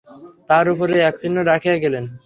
তাহার উপরে এক চিহ্ন রাখিয়া গেলেন।